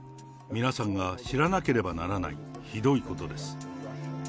皆さんが知らなければならないひどいことです。